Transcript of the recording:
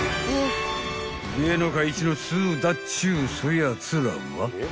［芸能界一の通だっちゅうそやつらは］